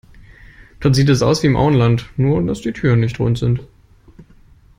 Dort sieht es aus wie im Auenland, nur dass die Türen nicht rund sind.